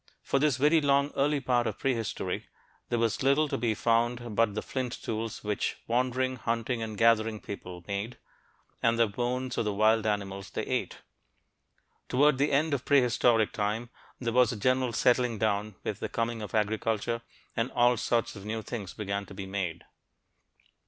For this very long early part of prehistory, there was little to be found but the flint tools which wandering, hunting and gathering people made, and the bones of the wild animals they ate. Toward the end of prehistoric time there was a general settling down with the coming of agriculture, and all sorts of new things began to be made.